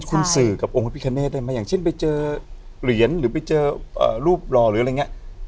คุณสื่อกับองค์พระพิคเนตได้ไหมอย่างเช่นไปเจอเหรียญหรือไปเจอรูปหล่อหรืออะไรอย่างนี้